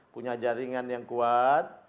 punya jaringan yang kuat